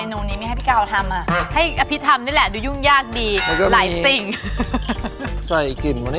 อันนี้ก็แค่ไหนค่ะ๑ช็อตประมาณ๖๐มิลลิเมตร